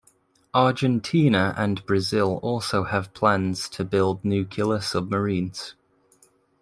Argentina and Brazil also have plans to build nuclear submarines.